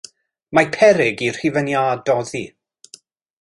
Mae peryg i'r hufen iâ doddi.